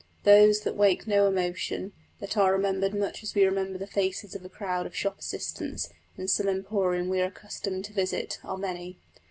Those that wake no emotion, that are remembered much as we remember the faces of a crowd of shop assistants in some emporium we are accustomed to visit, are many.